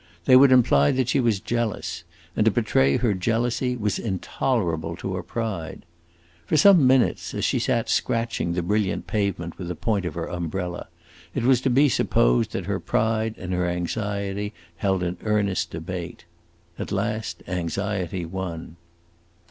They would imply that she was jealous, and to betray her jealousy was intolerable to her pride. For some minutes, as she sat scratching the brilliant pavement with the point of her umbrella, it was to be supposed that her pride and her anxiety held an earnest debate. At last anxiety won.